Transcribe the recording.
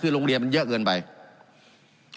การปรับปรุงทางพื้นฐานสนามบิน